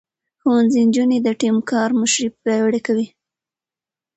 ښوونځی نجونې د ټيم کار مشري پياوړې کوي.